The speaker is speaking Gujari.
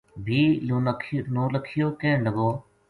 بھی نولکھیو کہن لگو